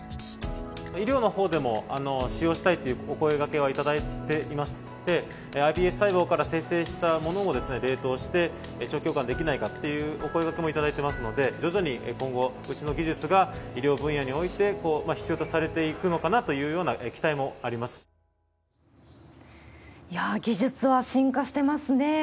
医療のほうでも使用したいというお声がけはいただいていまして、ｉＰＳ細胞から精製したものを冷凍して、長期保管できないかというお声がけもいただいていますので、徐々に今後、うちの技術が医療分野において必要とされていくのかなというよういやー、技術は進化してますね。